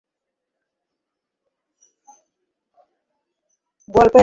গল্পের আর কিছু বাকি নেই।